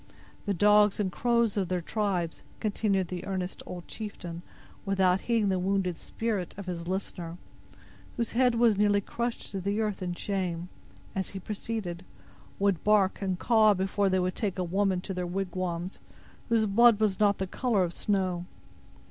The dogs and crows of their tribes," continued the earnest old chieftain, without heeding the wounded spirit of his listener, whose head was nearly crushed to the earth in shame, as he proceeded, "would bark and caw before they would take a woman to their wigwams whose blood was not of the color of snow.